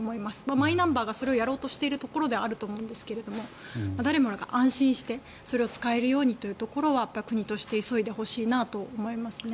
マイナンバーがそれをやろうとしているところではあると思うんですが誰もが安心してそれを使えるようにというのは国として急いでほしいなと思いますね。